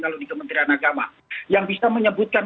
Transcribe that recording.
kalau di kementerian agama yang bisa menyebutkan